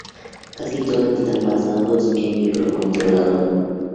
Casi todos están basados en microcontroladores.